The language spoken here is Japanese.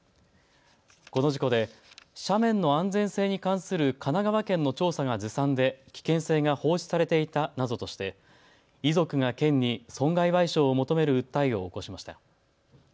この事故で斜面の安全性に関する神奈川県の調査がずさんで危険性が放置されていたなどとして遺族が県に損害賠償を求める訴えを起こしました。